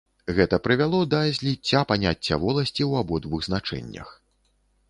Гэта прывяло да зліцця паняцця воласці ў абодвух значэннях.